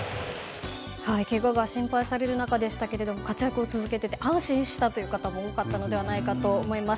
けがが心配される中でしたけど活躍を続けていて安心したという方も多かったのではないかと思います。